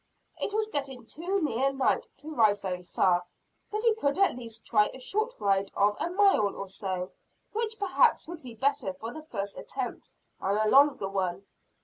It was getting too near night to ride very far, but he could at least try a short ride of a mile or so; which perhaps would be better for the first attempt than a longer one.